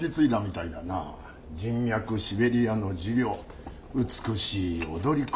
人脈シベリアの事業美しい踊り子。